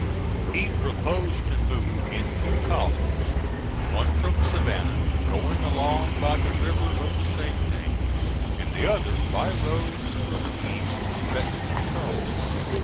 He proposed to move in two columns, one from Savannah, going along by the river of the same name, and the other by roads farther east, threatening Charleston.